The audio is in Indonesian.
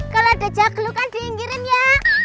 kalau ada jaglukan diinggirin ya